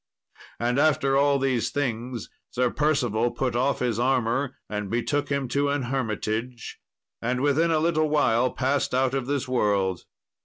And after all these things, Sir Percival put off his armour and betook him to an hermitage, and within a little while passed out of this world.